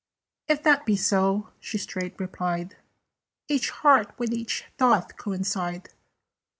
"If that be so," she straight replied, "Each heart with each doth coincide.